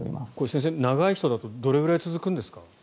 先生、長い人だとどれくらい続くんですか？